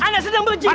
anak sedang berjihad